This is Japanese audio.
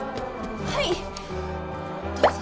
はいどうぞ。